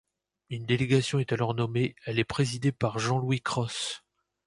Une délégation est alors nommée, elle est présidée par Jean-Louis Cros.